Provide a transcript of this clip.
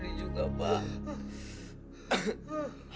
maafin juga pak